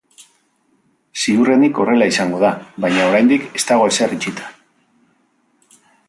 Ziurrenik horrela izango da, baina oraindik ez dago ezer itxita.